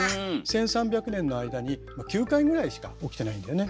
１，３００年の間に９回ぐらいしか起きてないんだよね。